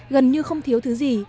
gần như không thiếu thứ gì